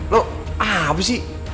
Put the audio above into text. lo apa sih